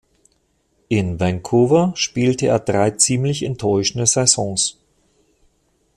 In Vancouver spielte er drei ziemlich enttäuschende Saisons.